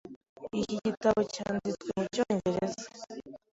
Iki gitabo cyanditswe mucyongereza.